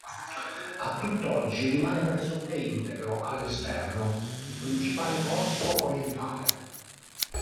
A tutt'oggi rimane pressoché integro, all'esterno, il principale corpo orientale.